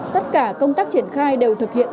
tất cả công tác triển khai đều thực hiện